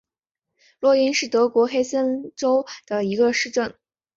洛因是德国黑森州的一个市镇。